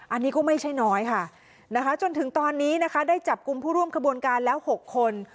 อันนี้ก็ไม่ใช่น้อยค่ะนะคะจนถึงตอนนี้นะคะได้จับกลุ่มผู้ร่วมขบวนการแล้ว๖คน